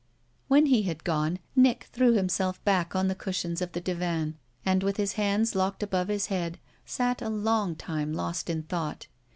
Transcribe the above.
When he had gone Nick threw himself back on the cushions of the divan and, with his hands locked above his head, sat a long time lost in thought.